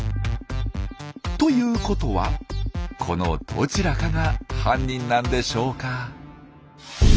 ということはこのどちらかが犯人なんでしょうか？